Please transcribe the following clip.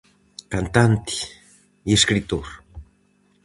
Cantante e escritor.